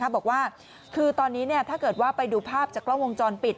บอกว่าคือตอนนี้ถ้าเกิดว่าไปดูภาพจากกล้องวงจรปิด